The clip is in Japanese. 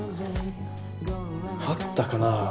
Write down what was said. あったかな。